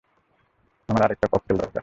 আমার আরেকটা ককটেল দরকার!